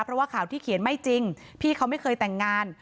เพราะว่าข่าวที่เขียนไม่จริงพี่เขาไม่เคยแต่งงาน